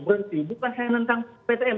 berhenti bukan saya nentang ptm